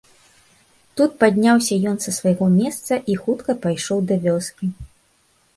Тут падняўся ён са свайго месца і хутка пайшоў да вёскі.